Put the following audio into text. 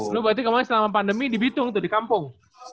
lu berarti ngomongnya selama pandemi di bitung tuh di kampung